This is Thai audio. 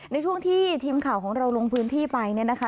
ในช่วงที่ทีมข่าวของเราลงพื้นที่ไปเนี่ยนะคะ